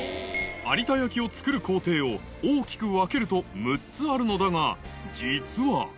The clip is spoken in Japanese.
有田焼を作る工程を大きく分けると６つあるのだが、実は。